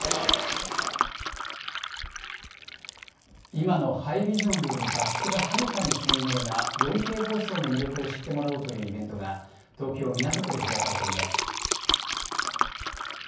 今のハイビジョンより画質がはるかに鮮明な４Ｋ放送の魅力を知ってもらおうというイベントが、東京・港区で開かれています。